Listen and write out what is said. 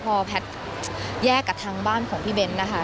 พอแพทย์แยกกับทางบ้านของพี่เบ้นนะคะ